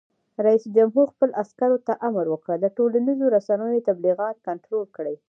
رئیس جمهور خپلو عسکرو ته امر وکړ؛ د ټولنیزو رسنیو تبلیغات کنټرول کړئ!